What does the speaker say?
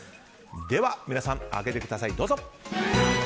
では、皆さん、上げてください。